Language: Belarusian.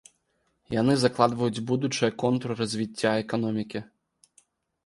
Яны закладваюць будучыя контуры развіцця эканомікі.